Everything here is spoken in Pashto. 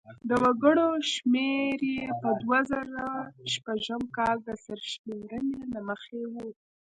د وګړو شمېر یې په دوه زره شپږم کال د سرشمېرنې له مخې و.